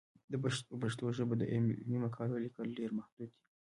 په پښتو ژبه د علمي مقالو لیکل ډېر محدود دي.